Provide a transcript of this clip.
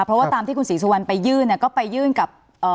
เพราะว่าตามที่คุณศรีสุวรรณไปยื่นเนี่ยก็ไปยื่นกับ